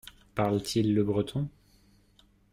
Parle-t-il le breton ?